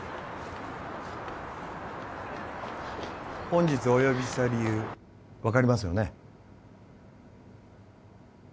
本日お呼びした理由分かりますよね？